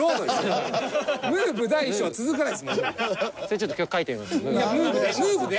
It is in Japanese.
ちょっと曲書いてみますね。